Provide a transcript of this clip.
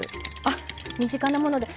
あ身近なもので。